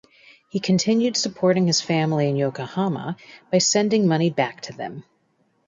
He continued supporting his family in Yokohama by sending money back to them.